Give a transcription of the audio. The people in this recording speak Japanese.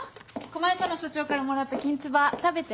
狛江署の署長からもらったきんつば食べて。